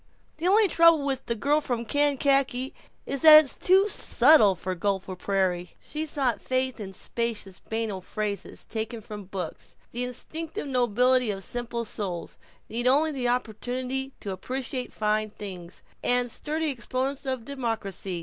The only trouble with 'The Girl from Kankakee' is that it's too subtle for Gopher Prairie!" She sought faith in spacious banal phrases, taken from books: "the instinctive nobility of simple souls," "need only the opportunity, to appreciate fine things," and "sturdy exponents of democracy."